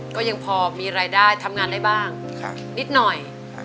ก็ยังพอมีรายได้ทำงานได้บ้างนิดหน่อย